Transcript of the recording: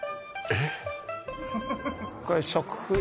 えっ？